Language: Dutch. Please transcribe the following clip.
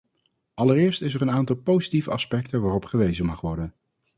Allereerst is er een aantal positieve aspecten waarop gewezen mag worden.